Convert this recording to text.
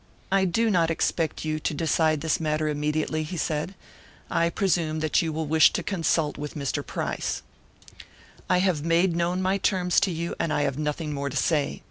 "I do not expect you to decide this matter immediately," he said. "I presume that you will wish to consult with Mr. Price. I have made known my terms to you, and I have nothing more to say.